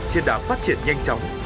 trên đảng phát triển nhanh chóng